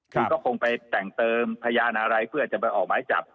คือก็คงไปแต่งเติมพยานอะไรเพื่อจะไปออกหมายจับ